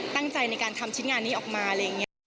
ตั้งใจในการทำชิ้นงานนี้ออกมาอะไรอย่างนี้ค่ะ